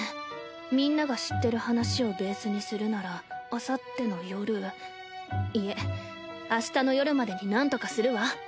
みんなが知ってる話をベースにするならあさっての夜いえ明日の夜までになんとかするわ。